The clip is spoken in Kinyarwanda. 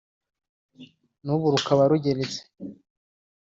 n’ubu rukaba rugeretse